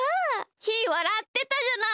ひーわらってたじゃない。